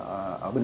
ở bình chánh